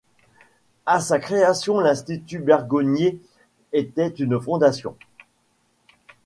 À sa création l'Institut Bergonié était une fondation.